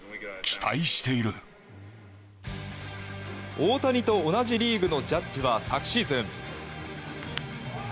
大谷と同じリーグのジャッジは、昨シーズン。